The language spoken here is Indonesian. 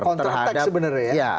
counter attack sebenarnya ya